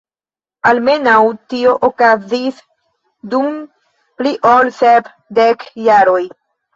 Almenaŭ tio okazis dum pli ol sep dek jaroj.